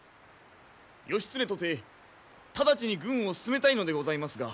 義経とて直ちに軍を進めたいのでございますが。